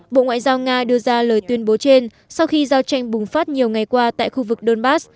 bộ ngoại giao nga đưa ra lời tuyên bố trên sau khi giao tranh bùng phát nhiều ngày qua tại khu vực donbass